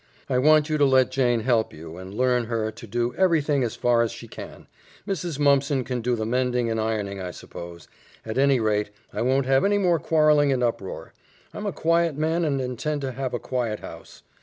I want you to let Jane help you and learn her to do everything as far as she can. Mrs. Mumpson can do the mending and ironing, I suppose. At any rate, I won't have any more quarreling and uproar. I'm a quiet man and intend to have a quiet house.